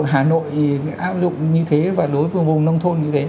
hà nội áp dụng như thế và đối với vùng nông thôn như thế